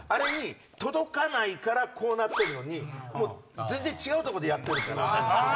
届かないからこうなってるのに全然違うとこでやってるから。